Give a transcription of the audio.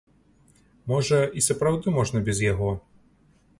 Можа, і сапраўды можна без яго?